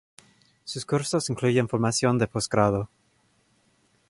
Sus cursos incluyen formación de postgrado.